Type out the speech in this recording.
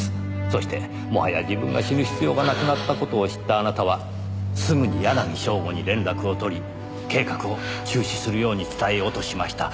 そしてもはや自分が死ぬ必要がなくなった事を知ったあなたはすぐに柳正吾に連絡を取り計画を中止するように伝えようとしました。